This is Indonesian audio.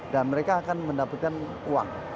dan mereka akan mendapatkan uang